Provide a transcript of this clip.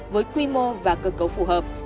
với quy mô và cơ cấu phù hợp